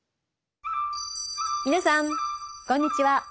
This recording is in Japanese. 皆さんこんにちは。